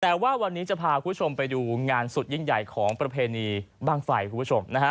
แต่ว่าวันนี้จะพาคุณผู้ชมไปดูงานสุดยิ่งใหญ่ของประเพณีบ้างไฟคุณผู้ชมนะฮะ